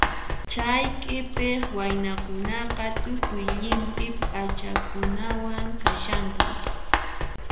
Chay q'ipiq waynakunaqa tukuy llimp'i p'achakunawan kashanku.